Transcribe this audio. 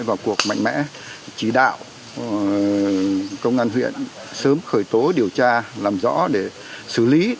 và cuộc mạnh mẽ chỉ đạo công an huyện sớm khởi tố điều tra làm rõ để xử lý